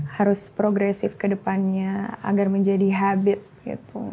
harus progresif ke depannya agar menjadi habit gitu